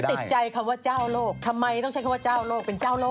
ติดใจคำว่าเจ้าโลกทำไมต้องใช้คำว่าเจ้าโลกเป็นเจ้าโลก